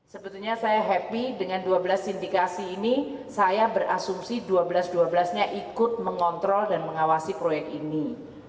sebetulnya saya happy dengan dua belas sindikasi ini saya berasumsi dua belas dua belas nya ikut mengontrol dan mengawasi proyek ini